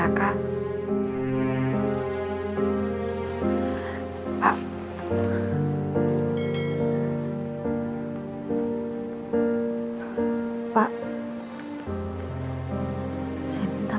tidak kepecahkan tadi something waiting